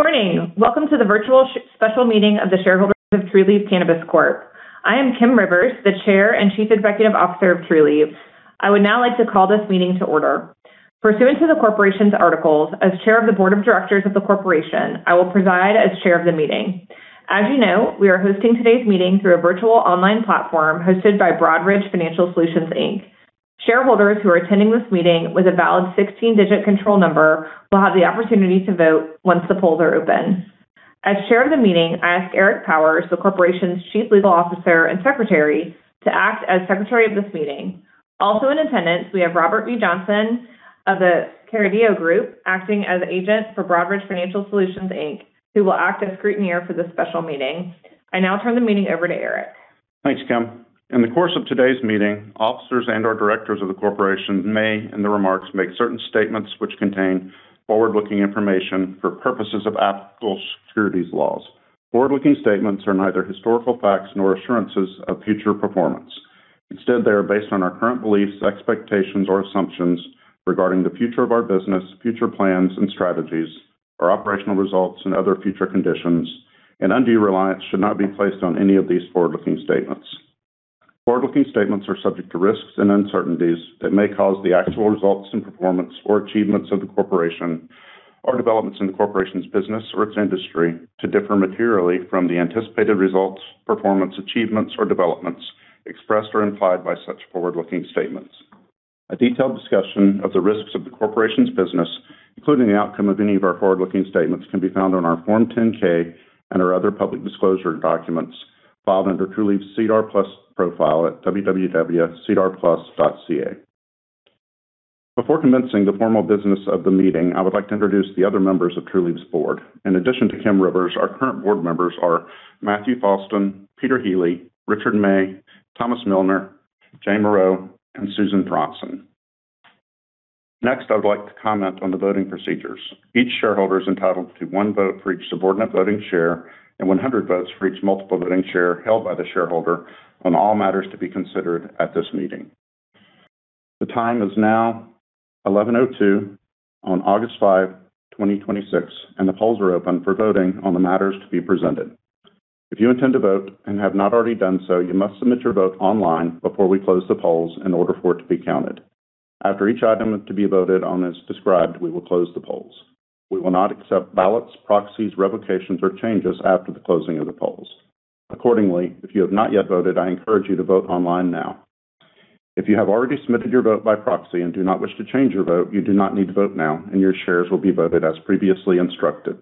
Good morning. Welcome to the virtual special meeting of the shareholders of Trulieve Cannabis Corp. I am Kim Rivers, the Chair and Chief Executive Officer of Trulieve. I would now like to call this meeting to order. Pursuant to the corporation's articles, as chair of the board of directors of the corporation, I will preside as chair of the meeting. As you know, we are hosting today's meeting through a virtual online platform hosted by Broadridge Financial Solutions, Inc. Shareholders who are attending this meeting with a valid 16-digit control number will have the opportunity to vote once the polls are open. As chair of the meeting, I ask Eric Powers, the corporation's chief legal officer and secretary, to act as secretary of this meeting. Also in attendance, we have Robert B. Johnson of The Carideo Group, acting as agent for Broadridge Financial Solutions, Inc., who will act as scrutineer for this special meeting. I now turn the meeting over to Eric. Thanks, Kim. In the course of today's meeting, officers and/or directors of the corporation may, in the remarks, make certain statements which contain forward-looking information for purposes of applicable securities laws. Forward-looking statements are neither historical facts nor assurances of future performance. Instead, they are based on our current beliefs, expectations, or assumptions regarding the future of our business, future plans and strategies, our operational results and other future conditions, and undue reliance should not be placed on any of these forward-looking statements. Forward-looking statements are subject to risks and uncertainties that may cause the actual results and performance or achievements of the corporation or developments in the corporation's business or its industry to differ materially from the anticipated results, performance, achievements, or developments expressed or implied by such forward-looking statements. A detailed discussion of the risks of the corporation's business, including the outcome of any of our forward-looking statements, can be found on our Form 10-K and our other public disclosure documents filed under Trulieve's SEDAR+ profile at www.sedarplus.ca. Before commencing the formal business of the meeting, I would like to introduce the other members of Trulieve's board. In addition to Kim Rivers, our current board members are Matthew Foulston, Peter Healy, Richard May, Thomas Millner, Jane Morreau, and Susan Thronson. Next, I would like to comment on the voting procedures. Each shareholder is entitled to one vote for each subordinate voting share and 100 votes for each multiple voting share held by the shareholder on all matters to be considered at this meeting. The time is now 11:02 A.M. on August 5, 2026, and the polls are open for voting on the matters to be presented. If you intend to vote and have not already done so, you must submit your vote online before we close the polls in order for it to be counted. After each item to be voted on as described, we will close the polls. We will not accept ballots, proxies, revocations, or changes after the closing of the polls. Accordingly, if you have not yet voted, I encourage you to vote online now. If you have already submitted your vote by proxy and do not wish to change your vote, you do not need to vote now, and your shares will be voted as previously instructed.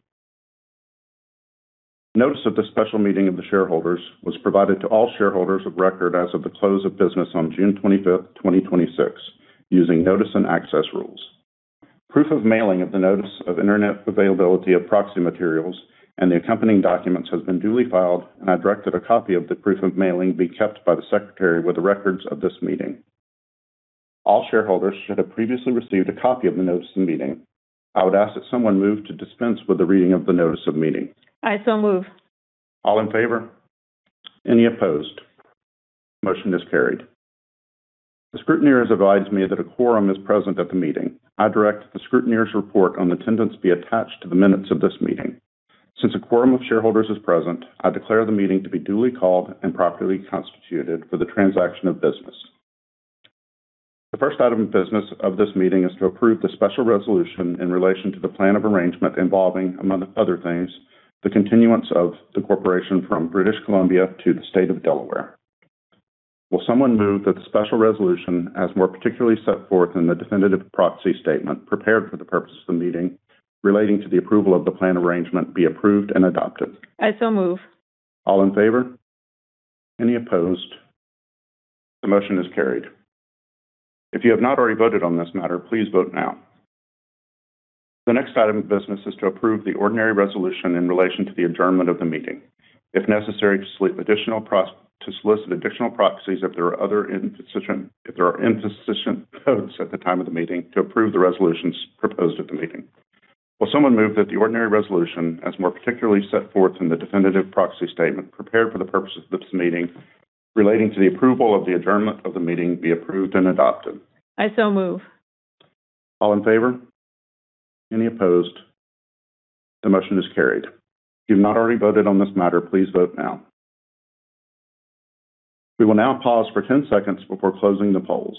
Notice of this special meeting of the shareholders was provided to all shareholders of record as of the close of business on June 25th, 2026, using notice and access rules. Proof of mailing of the notice of internet availability of proxy materials and the accompanying documents has been duly filed, and I directed a copy of the proof of mailing be kept by the secretary with the records of this meeting. All shareholders should have previously received a copy of the notice of the meeting. I would ask that someone move to dispense with the reading of the notice of the meeting. I so move. All in favor? Any opposed? Motion is carried. The scrutineer has advised me that a quorum is present at the meeting. I direct the scrutineer's report on attendance be attached to the minutes of this meeting. Since a quorum of shareholders is present, I declare the meeting to be duly called and properly constituted for the transaction of business. The first item of business of this meeting is to approve the special resolution in relation to the plan of arrangement involving, among other things, the continuance of the corporation from British Columbia to the state of Delaware. Will someone move that the special resolution, as more particularly set forth in the definitive proxy statement prepared for the purpose of the meeting relating to the approval of the plan arrangement be approved and adopted? I so move. All in favor? Any opposed? The motion is carried. If you have not already voted on this matter, please vote now. The next item of business is to approve the ordinary resolution in relation to the adjournment of the meeting. If necessary, to solicit additional proxies if there are insufficient votes at the time of the meeting to approve the resolutions proposed at the meeting. Will someone move that the ordinary resolution, as more particularly set forth in the definitive proxy statement prepared for the purpose of this meeting relating to the approval of the adjournment of the meeting be approved and adopted? I so move. All in favor? Any opposed? The motion is carried. If you've not already voted on this matter, please vote now. We will now pause for 10 seconds before closing the polls.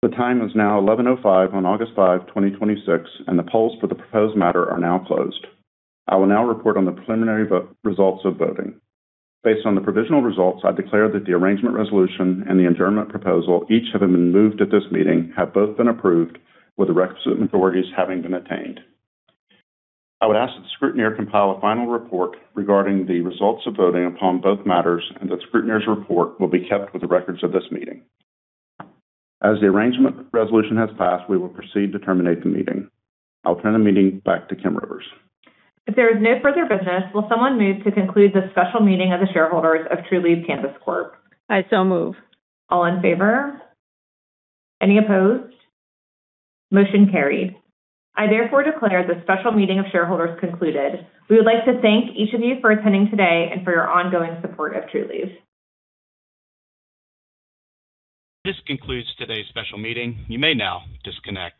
The time is now 11:05 on August 5, 2026, and the polls for the proposed matter are now closed. I will now report on the preliminary results of voting. Based on the provisional results, I declare that the arrangement resolution and the adjournment proposal, each having been moved at this meeting, have both been approved with the requisite majorities having been attained. I would ask that the scrutineer compile a final report regarding the results of voting upon both matters and that the scrutineer's report will be kept with the records of this meeting. As the arrangement resolution has passed, we will proceed to terminate the meeting. I'll turn the meeting back to Kim Rivers. If there is no further business, will someone move to conclude this special meeting of the shareholders of Trulieve Cannabis Corp? I so move. All in favor? Any opposed? Motion carried. I therefore declare this special meeting of shareholders concluded. We would like to thank each of you for attending today and for your ongoing support of Trulieve. This concludes today's special meeting. You may now disconnect.